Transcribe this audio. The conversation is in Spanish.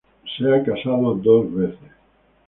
Se ha casado dos veces.